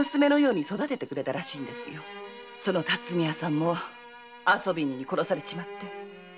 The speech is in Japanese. その巽屋さんも遊び人に殺されちまって。